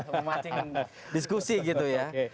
memancing diskusi gitu ya